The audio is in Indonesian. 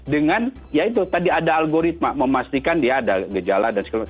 dengan ya itu tadi ada algoritma memastikan dia ada gejala dan segala macam